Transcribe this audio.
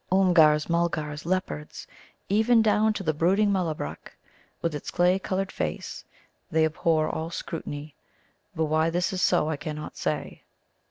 Oomgars, Mulgars, leopards even down to the brooding Mullabruk, with its clay coloured face they abhor all scrutiny. But why this is so I cannot say.